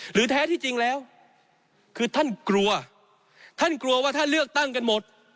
แท้ที่จริงแล้วคือท่านกลัวท่านกลัวว่าถ้าเลือกตั้งกันหมด